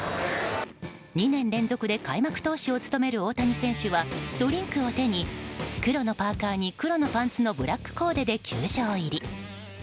２年連続で開幕投手を務める大谷選手はドリンクを手に黒のパーカに黒のパンツのブラックコーデで球場入り。